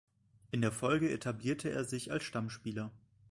In der Folge etablierte er sich als Stammspieler.